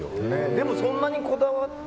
でも、そんなにこだわって。